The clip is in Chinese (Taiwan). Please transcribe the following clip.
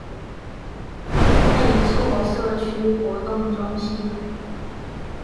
內厝社區活動中心